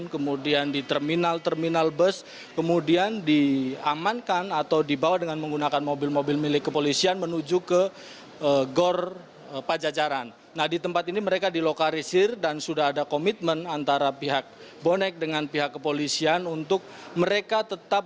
bagaimana pengemanan di sana dan apa saja yang dilakukan oleh supporter persebaya di lokasi acara kongres roby